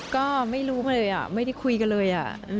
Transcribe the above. ก็ไม่รู้มาเลยไม่ได้คุยกันเลย